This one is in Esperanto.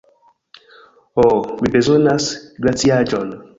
Ho, mi bezonas glaciaĵon.